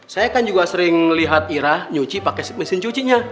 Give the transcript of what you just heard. saya kan juga sering lihat ira nyuci pakai mesin cucinya